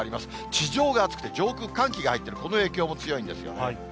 地上が暑くて、上空に寒気が入ってるこの影響も強いんですよね。